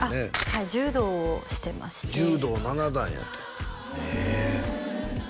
はい柔道をしてまして柔道７段やてええ？